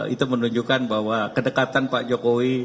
itu menunjukkan bahwa kedekatan pak jokowi